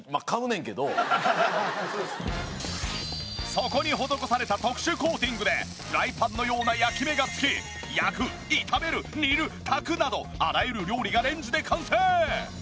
底に施された特殊コーティングでフライパンのような焼き目がつき焼く炒める煮る炊くなどあらゆる料理がレンジで完成！